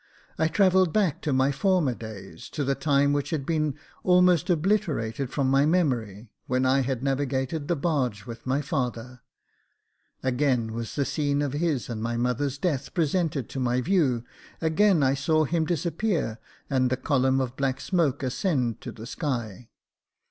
I travelled back to my former days — to the time which had been almost obliterated from my memory, when I had navigated the barge with my father. Again was the scene of his and my mother's death presented to my view ; again I saw him disappear, and the column of black smoke ascend to the sky.